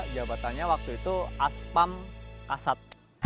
jabatannya waktu itu aspam asad